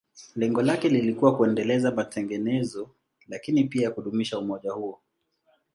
Lengo lake lilikuwa kuendeleza matengenezo, lakini pia kudumisha umoja huo.